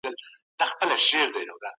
د انتقام اخیستل د زړه کینه زیاتوي.